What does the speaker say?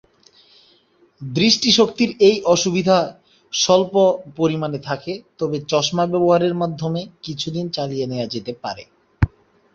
দৃষ্টি শক্তির এই অসুবিধা যদি স্বল্প পরিমানে থাকে, তবে চশমা ব্যবহারের মাধ্যমে কিছুদিন চালিয়ে নেয়া যেতে পারে।